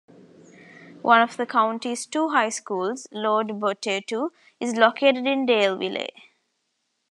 One of the county's two high schools, Lord Botetourt, is located in Daleville.